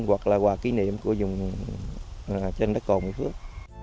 hoặc là quà kỷ niệm của dùng trên đất cồn mỹ phước